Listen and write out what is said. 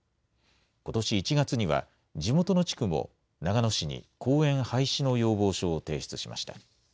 ことし１月には、地元の地区も長野市に公園廃止の要望書を提出しました。